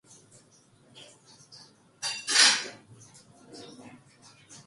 또 그러기에 행복될 것과 다름이 없는 경지일 듯하다.